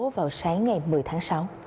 vào sáng ngày một mươi tháng sáu